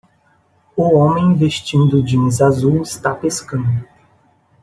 O homem vestindo jeans azul está pescando